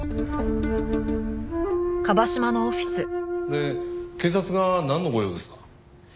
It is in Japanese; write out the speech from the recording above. で警察がなんのご用ですか？